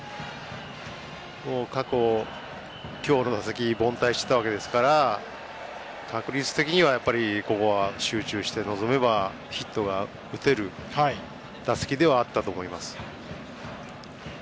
過去、今日の打席凡退していたわけですから確率的にはここは集中して臨めばヒットが打てる打席ではあったと思います。